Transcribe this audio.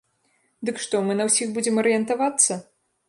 Дык што, мы на ўсіх будзем арыентавацца?